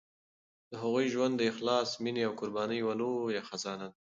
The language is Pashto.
د هغوی ژوند د اخلاص، مینې او قربانۍ یوه لویه خزانه ده.